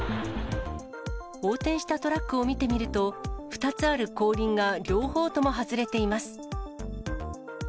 横転したトラックを見てみると、２つある後輪が両方とも外れています。